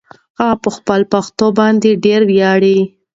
هغه په خپله پښتو باندې ډېره ویاړېده.